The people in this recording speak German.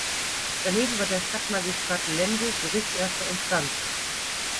Daneben war der Stadt-Magistrat Lemgo Gericht erster Instanz.